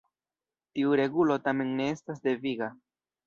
Tiu regulo tamen ne estas deviga.